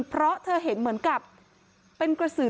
เพราะเธอเห็นเหมือนกับเป็นกระสือ